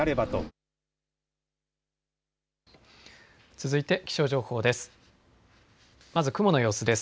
続いて気象情報です。